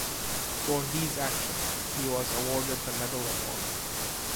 For these actions, he was awarded the Medal of Honor.